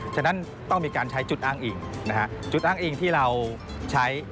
ฉะนั้นต้องมีการใช้จุดอ้างอิงนะฮะจุดอ้างอิงที่เราใช้